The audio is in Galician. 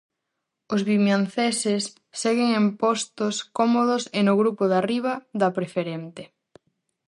Os vimianceses seguen en postos cómodos e no grupo de arriba da Preferente.